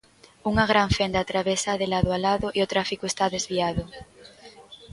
Unha gran fenda atravésaa de lado a lado e o tráfico está desviado.